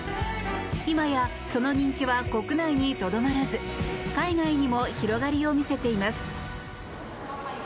今やその人気は国内にとどまらず海外にも広がりを見せています。